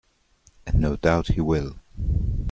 And no doubt he will.